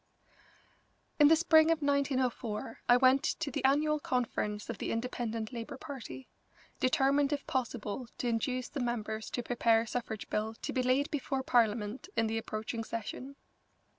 U. In the spring of 1904 I went to the annual conference of the Independent Labour Party, determined if possible to induce the members to prepare a suffrage bill to be laid before Parliament in the approaching session.